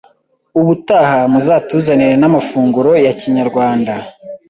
ubutaha muzatuzanire namafunguro yakinyarwanda